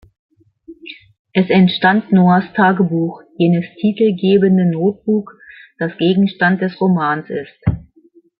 Es entstand Noahs „Tagebuch“, jenes titelgebende „Notebook“, das Gegenstand des Romans ist.